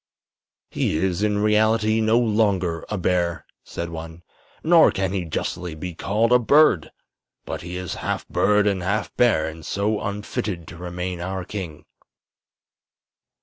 "He is, in reality, no longer a bear," said one; "nor can he justly be called a bird. But he is half bird and half bear, and so unfitted to remain our king."